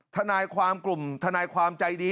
ทนายความกลุ่มทนายความใจดี